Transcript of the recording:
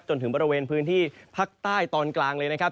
จนถึงบริเวณพื้นที่ภาคใต้ตอนกลางเลยนะครับ